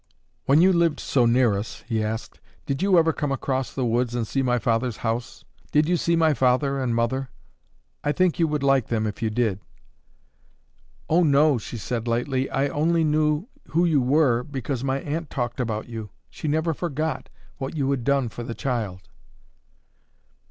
"When you lived so near us," he asked, "did you ever come across the woods and see my father's house? Did you see my father and mother? I think you would like them if you did." "Oh, no," she said lightly; "I only knew who you were because my aunt talked about you; she never forgot what you had done for the child."